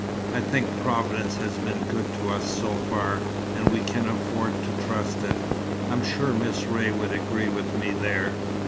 I think Providence has been good to us so far, and we can afford to trust It. I'm sure Miss Ray would agree with me there."